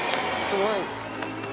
すごい！